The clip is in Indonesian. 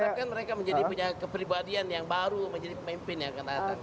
harapkan mereka menjadi punya kepribadian yang baru menjadi pemimpin yang akan datang